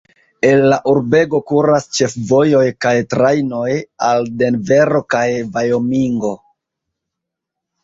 El la urbego kuras ĉefvojoj kaj trajnoj al Denvero kaj Vajomingo.